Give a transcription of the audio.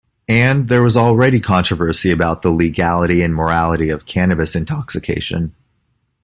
And there was already controversy about the legality and morality of cannabis intoxication.